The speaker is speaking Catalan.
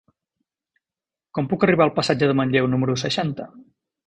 Com puc arribar al passatge de Manlleu número seixanta?